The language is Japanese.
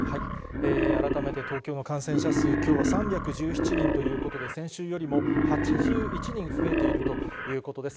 改めて東京の感染者数、きょうは３１７人ということで、先週よりも８１人増えているということです。